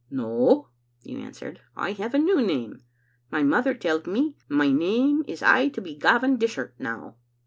*No,' you an swered, *I have a new name. My mother telled me my name is aye to be Gavin Dishart now.